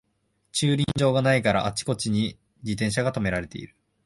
駐輪場がないからあちこちに自転車がとめられてる